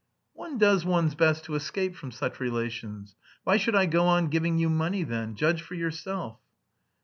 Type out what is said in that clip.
"One does one's best to escape from such relations. Why should I go on giving you money then? Judge for yourself."